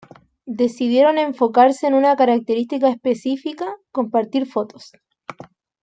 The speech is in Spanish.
Decidieron enfocarse en una característica específica, compartir fotos.